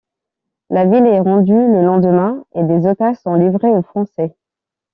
La ville est rendue le lendemain et des otages sont livrés aux Français.